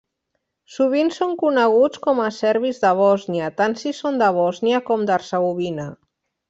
Sovint són coneguts com a serbis de Bòsnia, tant si són de Bòsnia com d'Hercegovina.